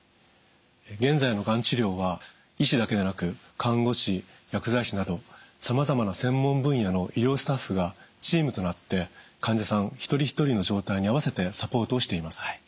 現在のがん治療は医師だけでなく看護師薬剤師などさまざまな専門分野の医療スタッフがチームとなって患者さん一人一人の状態に合わせてサポートをしています。